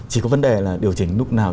chỉ có vấn đề là điều chỉnh lúc nào